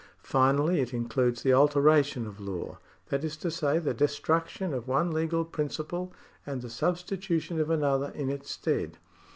Finally it includes the alteration of law — that is to say, the destruction of one legal principle and the substitution of another in its stead.